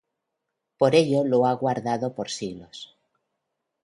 Por ello lo ha guardado por siglos.